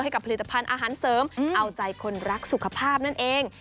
กับผลิตภัณฑ์อาหารเสริมเอาใจคนรักสุขภาพนั่นเอง